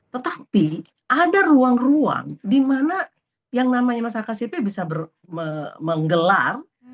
tetapi ada ruang ruang di mana yang namanya masyarakat sipil bisa menggelar